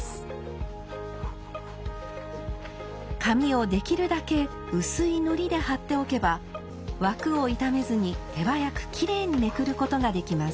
紙をできるだけ薄い糊で貼っておけば枠を傷めずに手早くきれいにめくることができます。